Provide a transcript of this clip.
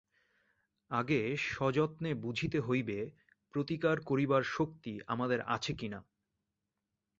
আগে সযত্নে বুঝিতে হইবে, প্রতিকার করিবার শক্তি আমাদের আছে কিনা।